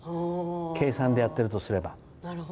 計算でやってるとすれば。